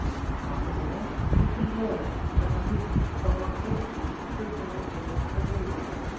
After dinner, we converse, have music, or more frequently, prepare the tables for games.